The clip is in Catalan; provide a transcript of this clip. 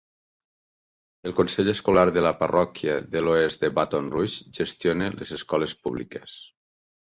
El consell escolar de la parròquia de l'oest de Baton Rouge gestiona les escoles públiques.